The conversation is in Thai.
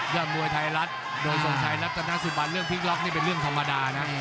ยอดมวยไทยรัฐโดยทรงชัยรัฐนาสุบันเรื่องพลิกล็อกนี่เป็นเรื่องธรรมดานะ